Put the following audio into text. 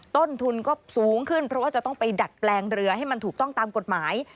ต้นทุนก็สูงขึ้นเพราะว่าจะต้องไปดัดแปลงเรือให้มันถูกต้องตามกฎหมาย